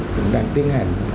cũng đang tiến hành